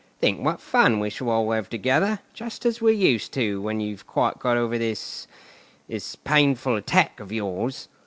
"Think what fun we shall all have together, just as we used to, when you've quite got over this—this painful attack of yours!"